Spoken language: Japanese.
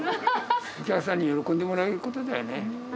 お客さんに喜んでもらえることだ